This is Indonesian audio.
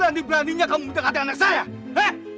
berani beraninya kamu mendekati anak saya hei